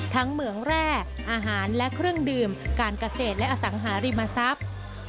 เหมืองแร่อาหารและเครื่องดื่มการเกษตรและอสังหาริมทรัพย์